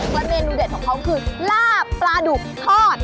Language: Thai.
และเมนูเด็ดของเขาคือลาบปลาดุกทอด